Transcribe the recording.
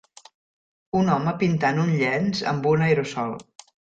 Un home pintant un llenç amb un aerosol.